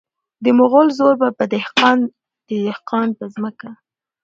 د مغل زور په دهقان د دهقان په ځمکه .